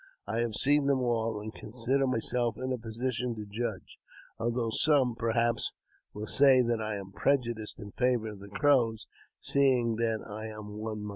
I have seen them all, and consider myself in a position to judge, although some, perhaps, will say that I am prejudiced in favour of the Crows, seeing that I am one myself.